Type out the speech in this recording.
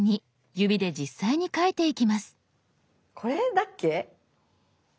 これだっけ？